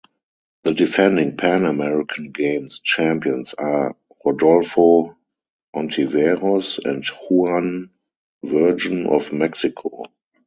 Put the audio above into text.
The defending Pan American Games champions are Rodolfo Ontiveros and Juan Virgen of Mexico.